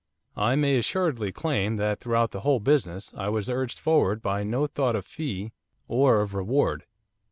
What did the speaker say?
I may assuredly claim that throughout the whole business I was urged forward by no thought of fee or of reward.